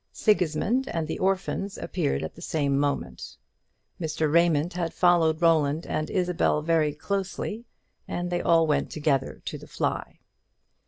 Sigismund and the orphans appeared at the same moment. Mr. Raymond had followed Roland and Isabel very closely, and they all went together to the fly.